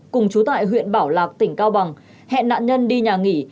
cùng chú tại huyện bảo lạc tỉnh cao bằng hẹn nạn nhân đi nhà nghỉ